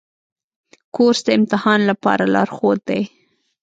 کورس د امتحان لپاره لارښود دی.